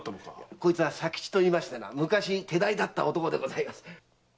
こいつは佐吉といいまして昔手代だった男です。